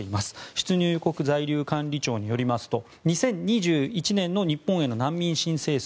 出入国在留管理庁によりますと２０２１年の日本への難民申請数